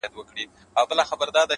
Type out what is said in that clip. لکه شبنم چي د گلاب د دوبي لمر ووهي!!